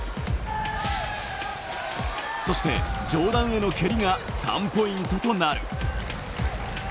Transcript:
そして上段への蹴りが３ポイントとなる。